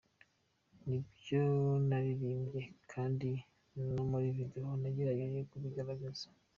Nibyo naririmbye kandi no muri video nagerageje kubigaragaza…”.